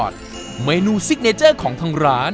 ได้ทานในจำนวน๒การ